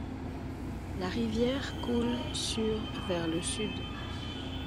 La rivière coule sur vers le sud.